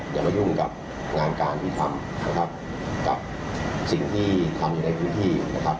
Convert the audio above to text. อย่ามายุ่งกับงานการที่ทำนะครับกับสิ่งที่ทำอยู่ในพื้นที่นะครับ